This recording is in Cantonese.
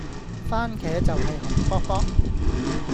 蕃茄就係紅卜卜